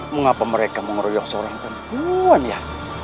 mengapa mereka mengeroyok seorang perempuan ya